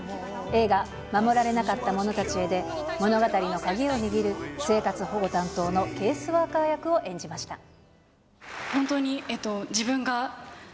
映画、護られなかった者たちへで、物語のかぎを握る、生活保護担当のケースワーカー役を演じました。